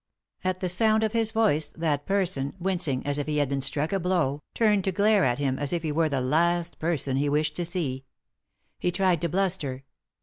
At the sound of his voice that person, wincing as if he had been struck a blow, turned to glare at him as if he were the last person he wished to see. He tried to bluster.